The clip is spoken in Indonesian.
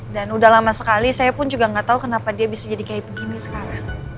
dan udah lama sekali saya pun juga gak tau kenapa dia bisa jadi kayak begini sekarang